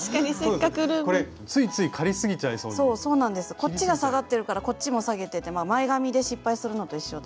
こっちが下がってるからこっちも下げてって前髪で失敗するのと一緒で。